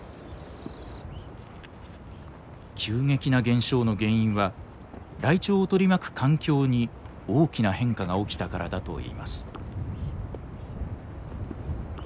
急激な減少の原因はライチョウを取り巻く環境に大きな変化が起きたからだといいます。